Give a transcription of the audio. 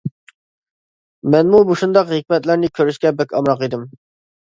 مەنمۇ مۇشۇنداق ھېكمەتلەرنى كۆرۈشكە بەك ئامراق ئىدىم.